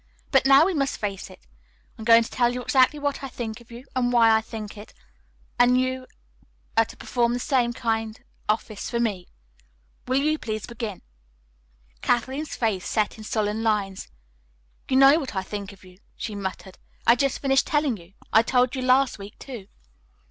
But now we must face it. I am going to tell you exactly what I think of you and why I think it, and you are going to perform the same kind office for me. Will you please begin?" Kathleen's face set in sullen lines. "You know what I think of you," she muttered. "I just finished telling you. I told you last week, too."